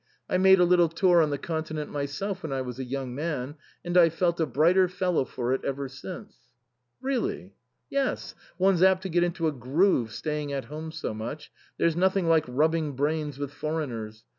I made a little tour on the Conti nent myself when I was a young man, and I've felt a brighter fellow for it ever since." "Really?" " Yes. One's apt to get into a groove staying at home so much. There's nothing like rubbing brains with foreigners.